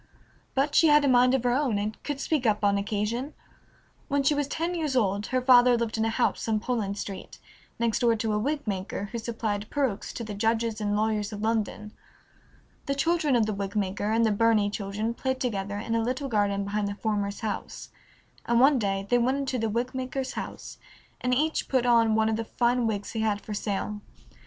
But she had a mind of her own and could speak up on occasion. When she was ten years old her father lived in a house on Poland Street, next door to a wig maker, who supplied perukes to the judges and lawyers of London. The children of the wig maker and the Burney children played together in a little garden behind the former's house, and one day they went into the wig maker's house, and each put on one of the fine wigs he had for sale.